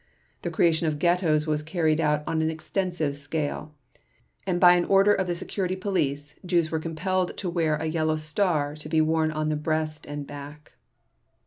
The creation of ghettos was carried out on an extensive scale, and by an order of the Security Police Jews were compelled to wear a yellow star to be worn on the breast and back.